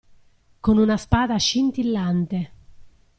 Con una spada scintillante.